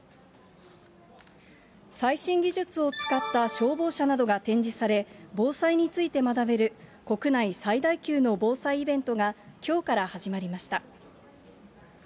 最新技術を使った消防車などが展示され、防災について学べる国内最大級の防災イベントがきょうから始まりました。